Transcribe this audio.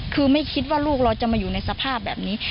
คือไม่คิดว่าลูกเราจะมาอยู่ในสภาพแบบนี้